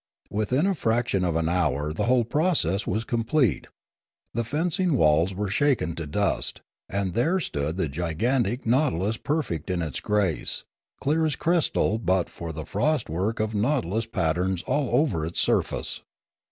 Within a fraction of an hour the whole process was complete; the fencing walls were shaken to dust, and there stood the gigantic nautilus perfect in its grace, clear as crystal but for the frostwork of nautilus pat terns all over its surface.